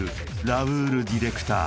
ラウールディレクター